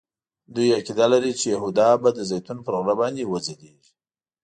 دوی عقیده لري چې یهودا به د زیتون پر غره باندې وځلیږي.